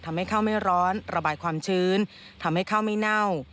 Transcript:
ทำให้ข้าวไม่ร้อนระบายความชื้นทำให้ข้าวไม่เน่า